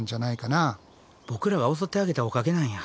ボクらが襲ってあげたおかげなんや。